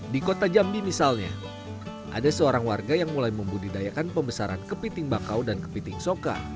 di kota jambi misalnya ada seorang warga yang mulai membudidayakan pembesaran kepiting bakau dan kepiting soka